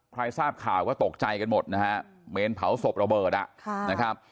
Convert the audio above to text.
ใครทราบข่าวก็ตกใจกันหมดนะฮะเมนเผาศพระเบิดนะครับ